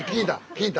聞いた。